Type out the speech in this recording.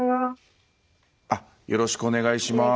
よろしくお願いします。